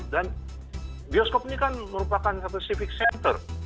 dan bioskop ini kan merupakan satu civic center